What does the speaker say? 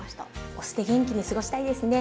お酢で元気に過ごしたいですね。